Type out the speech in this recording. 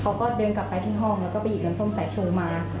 เขาก็เดินกลับไปที่ห้องแล้วก็ไปหยิบเงินส้มสายชูมา